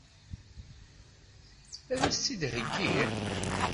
Ad as-tt-id-iheggi?